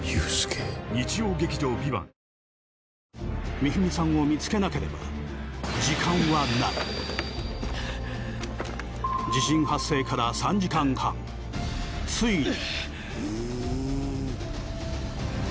美文さんを見つけなければ地震発生から３時間半ついに！